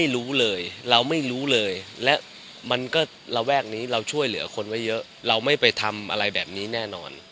เราไม่รู้เลยเราช่วยเหลือคนไว้เยอะเราไม่ไปทำแบบนี้แน่นอน